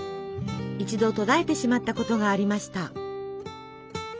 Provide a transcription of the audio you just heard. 一度途絶えてしまったことがありました。